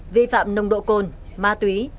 vi phạm nồng độ cồn ma túy